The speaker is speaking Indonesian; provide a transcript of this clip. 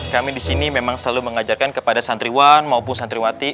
kami di sini memang selalu mengajarkan kepada santriwan maupun santriwati